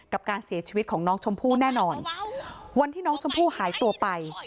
กับการเสียชีวิตของน้องชมพู่แน่นอนวันที่น้องชมพู่หายตัวไป